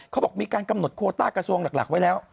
เขาบอกมีการกำหนดโคต้ากระทรวงหลักไว้แล้ว